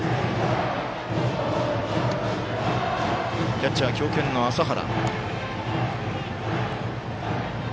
キャッチャーは強肩の麻原。